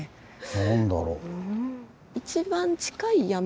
何だろう？